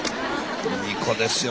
いい子ですよ